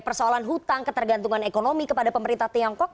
persoalan hutang ketergantungan ekonomi kepada pemerintah tiongkok